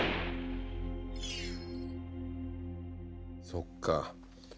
そっか。